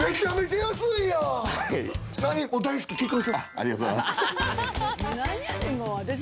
ありがとうございます。